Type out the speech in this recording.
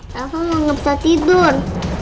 rafa gak bisa tidur